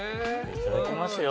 いただきますよ。